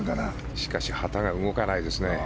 しかし旗が動かないですね。